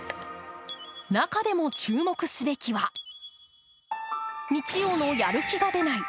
中でも注目すべきは日曜の「やる気が出ない」。